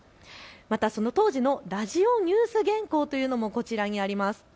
またその当時のラジオニュース原稿というのもこちらにあります。